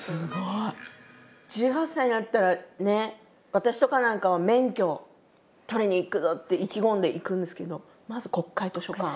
私とかなんかは免許取りにいくぞ！って意気込んで行くんですけどまず国会図書館。